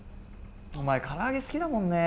お前空揚げ好きだもんね。